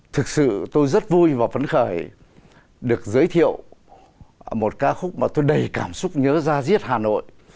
thực sự tôi rất vui và phấn khởi được giới thiệu một ca khúc mà tôi đầy cảm xúc nhớ ra diết hà nội